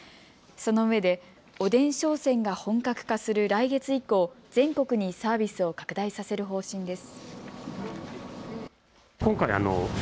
そのうえで、おでん商戦が本格化する来月以降、全国にサービスを拡大させる方針です。